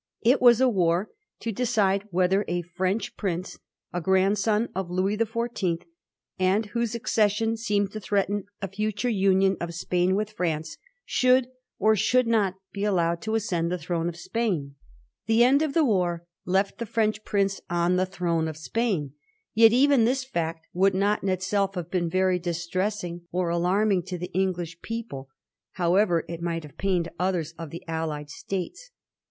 It was a war to decide whether a French prince, a grandson of Louis the Fourteenth, and whose accession seemed to threaten a future union of Spain with France^ Digiti zed by Google 1714 THE TREATY OF UTRECIIT. 121 should or should not be allowed to ascend the throne of Spain. The end of the war left the French prince on the throne of Spain. Yet even this fact would not in itself have been very distressing or alarming to the English people, however it might have pained others of the allied states.